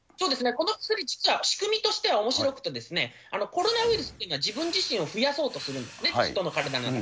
この薬、実は仕組みとしてはおもしろくて、コロナウイルスというのは、自分自身を増やそうとするんですね、ヒトの体の中で。